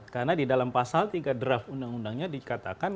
karena di dalam pasal tiga draft undang undangnya dikatakan